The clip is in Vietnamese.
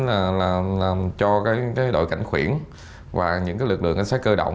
làm cho đội cảnh khuyển và những lực lượng ánh sát cơ động